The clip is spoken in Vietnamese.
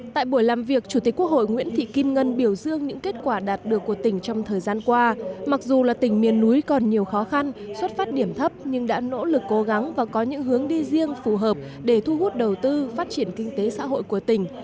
tại buổi làm việc chủ tịch quốc hội nguyễn thị kim ngân biểu dương những kết quả đạt được của tỉnh trong thời gian qua mặc dù là tỉnh miền núi còn nhiều khó khăn xuất phát điểm thấp nhưng đã nỗ lực cố gắng và có những hướng đi riêng phù hợp để thu hút đầu tư phát triển kinh tế xã hội của tỉnh